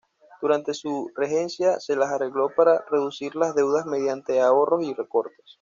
Durante su regencia, se las arregló para reducir las deudas mediante ahorros y recortes.